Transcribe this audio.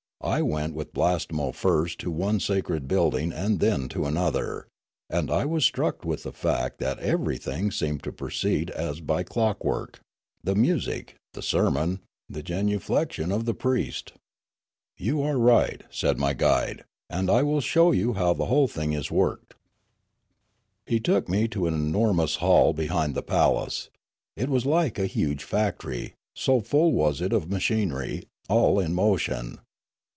I went with Blastemo first to one sacred building and then to another ; and I was struck with the fact that everything seemed to proceed as by clockwork, the nuisic, the sermon, the genuflections of the priest. " You are right," said my guide. " And I will show you how the whole thing is worked." He took me to an enormous hall behind the palace. 366 Riallaro It was like a huge factory, so full was it of machinery, all in motion.